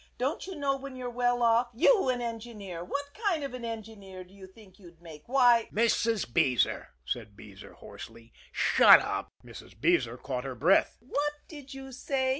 Don't you know when you're well off? You an engineer! What kind of an engineer do you think you'd make? Why " "Mrs. Beezer," said Beezer hoarsely, "shut up!" Mrs. Beezer caught her breath. "What did you say?"